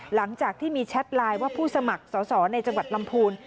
หลังจากที่มีแชทไลน์ว่าผู้สมัครสอสอในจังหวัดลำพูน